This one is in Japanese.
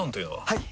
はい！